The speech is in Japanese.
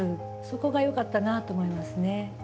そこがよかったなと思いますね。